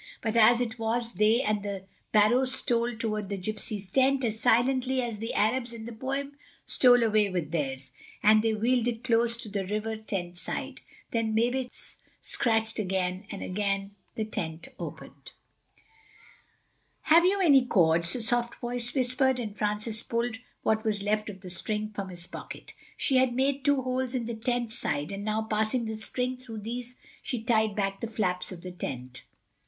But as it was they and the barrow stole toward the gypsy's tent as silently as the Arabs in the poem stole away with theirs, and they wheeled it close to the riven tent side. Then Mavis scratched again, and again the tent opened. "Have you any cords?" the soft voice whispered, and Francis pulled what was left of the string from his pocket. She had made two holes in the tent side, and now passing the string through these she tied back the flaps of the tent.